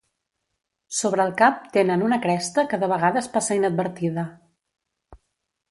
Sobre el cap tenen una cresta que de vegades passa inadvertida.